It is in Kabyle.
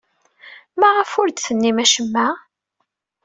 Maɣef ur d-tennim acemma?